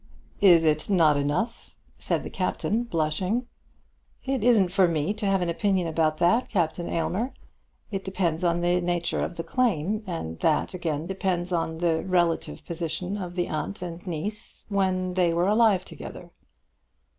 "Is it not enough?" said the Captain, blushing. "It isn't for me to have an opinion about that, Captain Aylmer. It depends on the nature of the claim; and that again depends on the relative position of the aunt and niece when they were alive together."